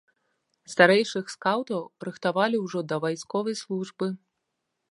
Старэйшых скаўтаў рыхтавалі ўжо да вайсковай службы.